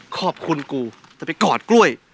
ขอบคุณกูจะไปกอดกล้วย